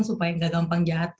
supaya gak gampang jatuh gitu sih